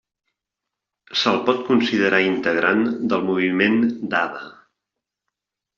Se'l pot considerar integrant del moviment dada.